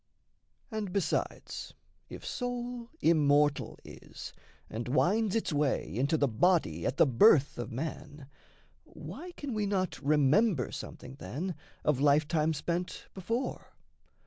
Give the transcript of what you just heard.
And besides, If soul immortal is, and winds its way Into the body at the birth of man, Why can we not remember something, then, Of life time spent before?